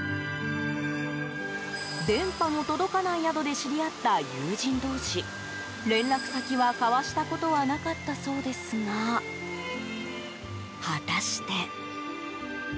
電波の届かない宿で知り合った友人同士連絡先は交わしたことはなかったそうですが果たして。